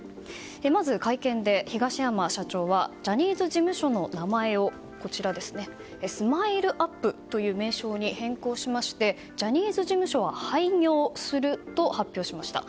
まず会見で東山社長はジャニーズ事務所の名前をＳＭＩＬＥ‐ＵＰ．という名称に変更しましてジャニーズ事務所は廃業すると発表しました。